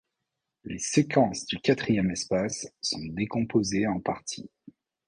Les séquences du quatrième espace sont décomposées en parties.